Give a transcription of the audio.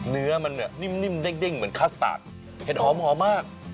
เนื้อมันนิ่มเด้งเหมือนคัสตาร์ทเห็ดหอมมาก